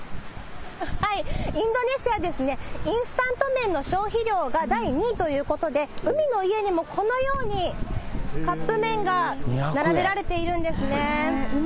インドネシア、インスタント麺の消費量が第２位ということで、海の家にもこのようにカップ麺が並べられているんですね。